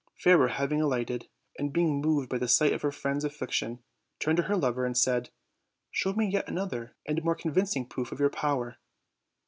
Fairer having alighted, and being moved by the sight of her friend's affliction, turned to her lover and said: "Show me yet another and more convincing proof of your power."